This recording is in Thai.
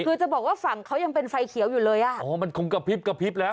คือจะบอกว่าฝั่งเขายังเป็นไฟเขียวอยู่เลยอ่ะอ๋อมันคงกระพริบกระพริบแล้ว